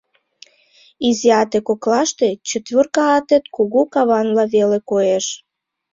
Изи ате коклаште четверка атет кугу каванла веле коеш.